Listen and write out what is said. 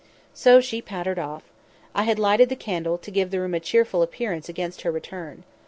So she pattered off. I had lighted the candle, to give the room a cheerful appearance against her return.